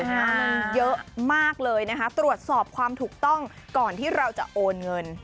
มันเยอะมากเลยนะคะตรวจสอบความถูกต้องก่อนที่เราจะโอนเงิน